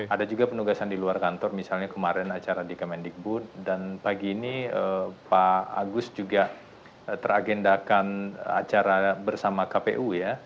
ada juga penugasan di luar kantor misalnya kemarin acara di kemendikbud dan pagi ini pak agus juga teragendakan acara bersama kpu ya